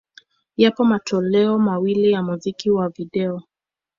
Yapo matoleo mawili ya muziki wa video.